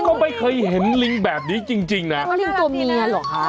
ก็ไม่เคยเห็นลิงแบบนี้จริงจริงนะเขาลิงตัวเมียเหรอคะ